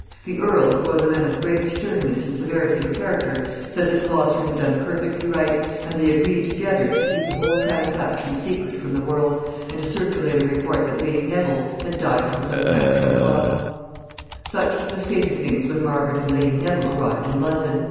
The earl, who was a man of great sternness and severity of character, said that Gloucester had done perfectly right, and they agreed together to keep the whole transaction secret from the world, and to circulate a report that Lady Neville had died from some natural cause. [Sidenote: Arrival in London.] Such was the state of things when Margaret and Lady Neville arrived in London.